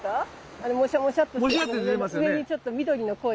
あのモシャモシャっとしてるところの上にちょっと緑の濃い。